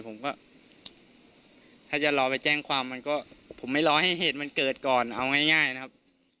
ผมก็ถ้าจะรอไปแจ้งความมันก็ผมไม่รอให้เหตุมันเกิดก่อนเอาง่ายนะครับ